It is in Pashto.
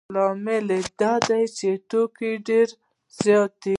لامل یې دا دی چې توکي ډېر زیات دي